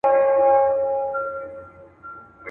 دې دوستی ته خو هیڅ لاره نه جوړیږي.